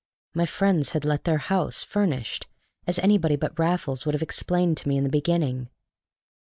My friends had let their house, furnished, as anybody but Raffles would have explained to me in the beginning.